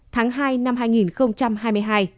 tháng hai năm hai nghìn hai mươi hai